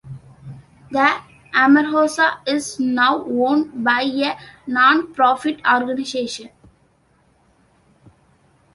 The Amargosa is now owned by a non-profit organization.